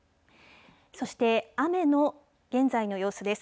そして雨の現在の様子です。